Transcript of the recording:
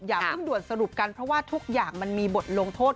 อย่าเพิ่งด่วนสรุปกันเพราะว่าทุกอย่างมันมีบทลงโทษ